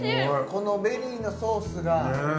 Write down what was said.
このベリーのソースがねえ